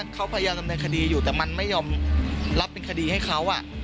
เขาพยายามดำเนินคดีอยู่แต่มันไม่ยอมรับเป็นคดีให้เขา